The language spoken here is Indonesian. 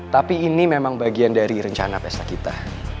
tapi ini memang bagian dari rencana pesta kita